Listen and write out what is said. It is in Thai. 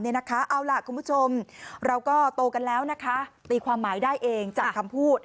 เอาล่ะคุณผู้ชมเราก็โตกันแล้วนะคะตีความหมายได้เองจากคำพูด